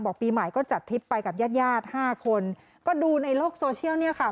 ปีใหม่ก็จัดทริปไปกับญาติญาติห้าคนก็ดูในโลกโซเชียลเนี่ยค่ะ